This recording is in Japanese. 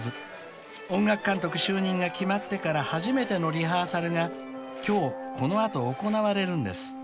［音楽監督就任が決まってから初めてのリハーサルが今日この後行われるんです］